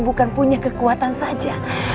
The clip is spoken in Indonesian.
bukan punya kekuatan saja